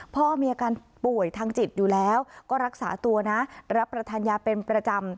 พ่อมีอาการป่วยทางจิตอยู่แล้วก็รักษาตัวนะรับประทานยาเป็นประจำ